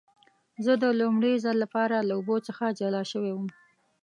زه د لومړي ځل لپاره له اوبو څخه جلا شوی وم.